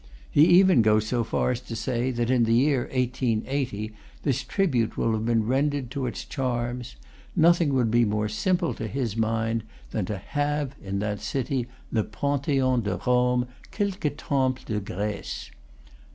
He even goes so far as to say that in the year 1880 this tribute will have been rendered to its charms; nothing would be more simple, to his mind, than to "have" in that city "le Pantheon de Rome, quelques temples de Grece."